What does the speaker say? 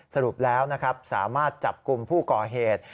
สรุปแล้วนะครับสามารถจับกลุ่มผู้ก่อเหตุ